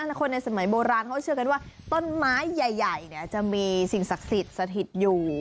ทุกคนในสมัยโบราณเขาเชือกันว่าต้นไม้ใหญ่จะมีสิ่งศักดิ์สถิติอยู่